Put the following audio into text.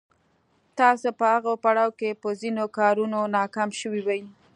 تاسې په هغه پړاو کې په ځينو کارونو ناکام شوي وئ.